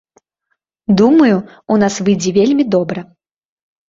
Думаю, у нас выйдзе вельмі добра.